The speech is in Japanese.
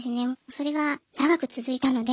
それが長く続いたので。